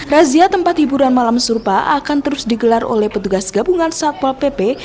razia tempat hiburan malam surpa akan terus digelar oleh petugas gabungan satpol pp